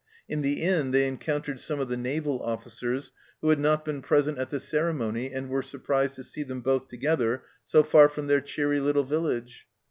In the inn they encountered some of the naval officers who had not been present at the ceremony, and were surprised to see them both together so far from their " cheery little village."